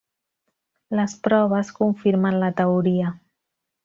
Les proves confirmen la teoria.